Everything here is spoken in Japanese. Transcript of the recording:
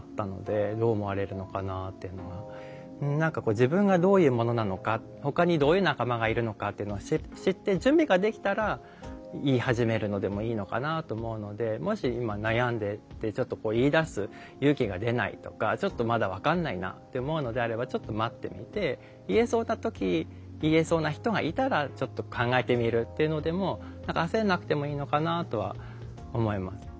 自分がどういうものなのかほかにどういう仲間がいるのかっていうのを知って準備ができたら言い始めるのでもいいのかなと思うのでもし今悩んでてちょっと言いだす勇気が出ないとかちょっとまだ分かんないなって思うのであればちょっと待ってみて言えそうな時言えそうな人がいたらちょっと考えてみるっていうのでも何か焦んなくてもいいのかなとは思います。